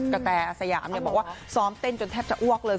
กระแทรสยามเนี่ยบอกว่าซ้อมเต้นจนแทบจะอ้วกเลย